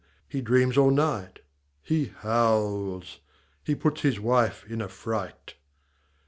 He dreams all night. He howls. He puts his wife in a fright.